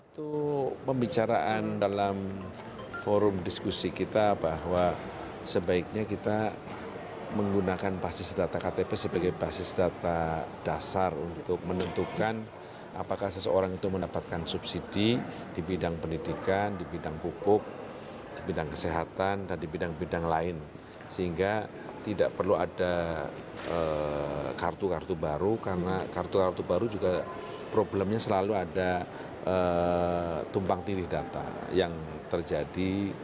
tidak perlu ada kartu kartu baru karena kartu kartu baru juga problemnya selalu ada tumpang tiri data yang terjadi